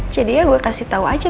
jadi ya gue kasih tau aja